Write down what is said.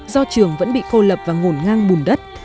do trường vẫn bị cô lập và ngổn ngang bùn đất